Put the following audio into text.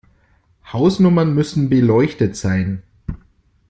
Hausnummern müssen beleuchtet sein.